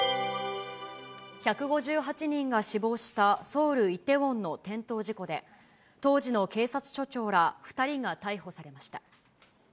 １５８人が死亡したソウル・イテウォンの転倒事故で、当時の警察署長ら２人が逮捕されました。